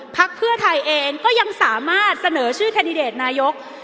พักเพื่อไทยเองก็ยังสามารถเสนอชื่อแคนดิเดตนายก